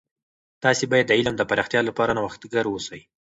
تاسې باید د علم د پراختیا لپاره نوښتګر اوسئ.